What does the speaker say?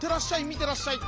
みてらっしゃい。